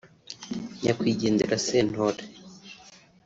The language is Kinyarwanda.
nyakwigendera Sentore